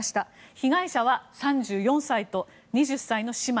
被害者は３４歳と２０歳の姉妹。